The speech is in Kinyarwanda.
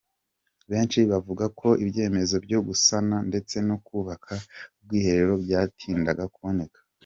Benshi bavuga ko ibyemezo byo gusana ndetse no kubaka ubwiherero, byatindaga kuboneka.